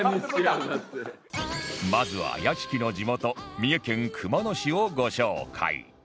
まずは屋敷の地元三重県熊野市をご紹介